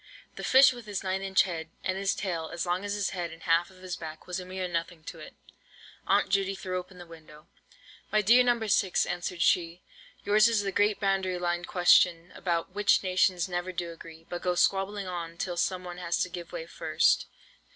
The fish with his nine inch head, and his tail as long as his head and half of his back, was a mere nothing to it. Aunt Judy threw open the window. "My dear No. 6," answered she, "yours is the great boundary line question about which nations never do agree, but go squabbling on till some one has to give way first.